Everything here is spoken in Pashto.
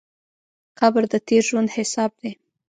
قبر د تېر ژوند حساب دی.